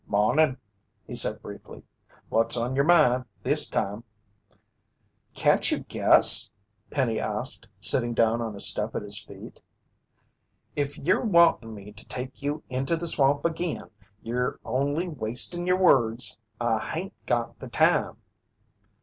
"'Mawnin'," he said briefly. "What's on yer mind this time?" "Can't you guess?" Penny asked, sitting down on a step at his feet. "If yer wantin' me to take you into the swamp agin, yer only wastin' yer words. I hain't got the time."